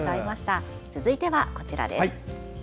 続いてはこちらです。